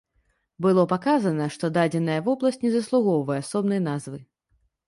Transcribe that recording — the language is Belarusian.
Было паказана, што дадзеная вобласць не заслугоўвае асобнай назвы.